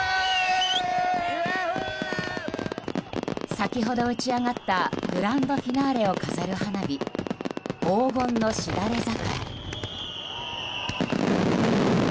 先ほど、打ち上がったグランドフィナーレを飾る花火黄金のしだれ桜。